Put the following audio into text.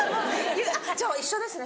じゃあ一緒ですね